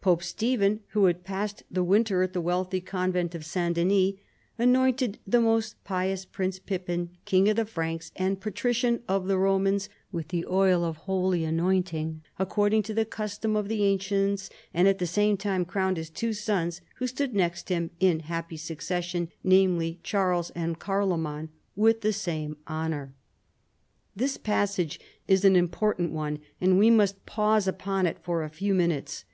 Pope Stephen, who had passed the winter at the wealthy convent of St. Denis, " anointed the most pious Prince Pippin King of the Franks and Patrician of the Romans with the oil of holy anointing, according to the custom of the an cients, and at the same time crowned his two sons, who stood next him, in happy succession, namely, Charles and Carloman, with the same honor." This passage is an important one, and we must pause upon it for a few minutes.